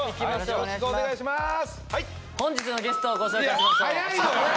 よろしくお願いします。